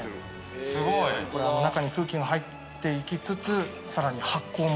すごい！中に空気が入って行きつつさらに。